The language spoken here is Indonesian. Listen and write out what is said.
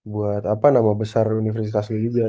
buat nama besar universitas lo juga